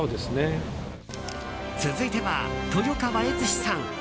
続いては、豊川悦司さん。